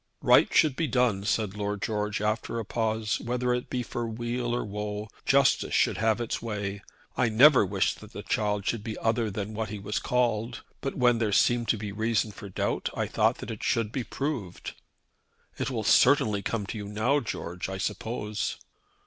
"Right should be done," said Lord George, after a pause. "Whether it be for weal or woe, justice should have its way. I never wished that the child should be other than what he was called; but when there seemed to be reason for doubt I thought that it should be proved." "It will certainly come to you now, George, I suppose."